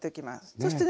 そしてね